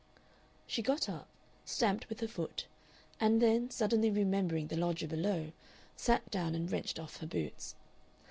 She got up, stamped with her foot, and then, suddenly remembering the lodger below, sat down and wrenched off her boots.